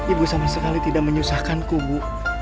ibu sama sekali tidak menyusahkanku ibu